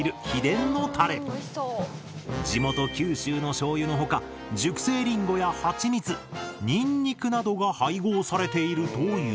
地元九州のしょうゆの他熟成りんごやはちみつニンニクなどが配合されているという。